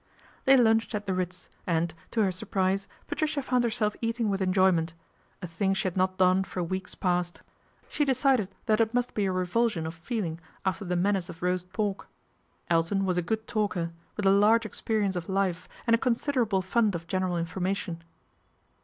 They lunched at the Ritz and, to her surprise Patricia found herself eating with enjoyment, a thing she had not done for weeks past. She decided 294 PATRICIA BRENT, SPINSTER that it must be a revulsion of feeling after the menace of roast pork. Elton was a good talker, with a large experience of life and a considerable fund of general information.